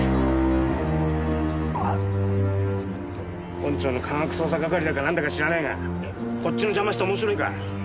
本庁の科学捜査係だかなんだか知らないがこっちの邪魔して面白いか。